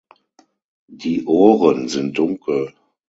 Die Ohren sind dunkel.